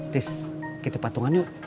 tis gitu patungan yuk